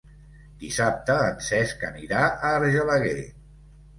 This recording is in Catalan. Dissabte en Cesc anirà a Argelaguer.